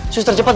sistar cepet ya